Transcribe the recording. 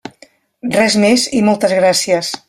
Res més i moltes gràcies.